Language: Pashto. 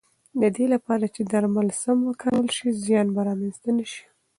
د دې لپاره چې درمل سم وکارول شي، زیان به رامنځته نه شي.